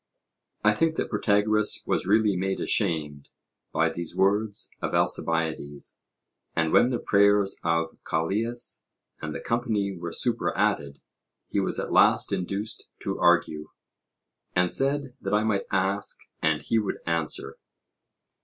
I think that Protagoras was really made ashamed by these words of Alcibiades, and when the prayers of Callias and the company were superadded, he was at last induced to argue, and said that I might ask and he would answer.